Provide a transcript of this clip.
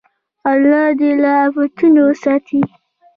الله دې له افتونو وساتي.